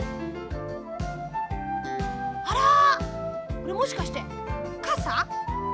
これもしかしてかさ？